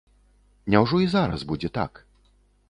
Няўжо і зараз будзе так?